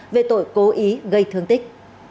về tội cố ý gây thương tích